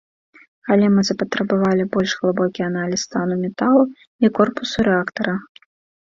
Але мы запатрабавалі больш глыбокі аналіз стану металу і корпусу рэактара.